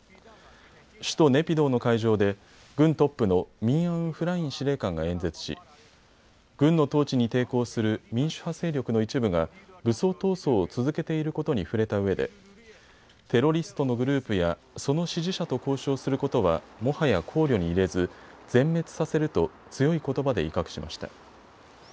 首都ネピドーの会場で軍トップのミン・アウン・フライン司令官が演説し軍の統治に抵抗する民主派勢力の一部が武装闘争を続けていることに触れたうえでテロリストのグループやその支持者と交渉することはもはや考慮に入れず全滅させると強いことばで威嚇しました。